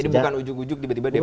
jadi bukan ujug ujug tiba tiba depok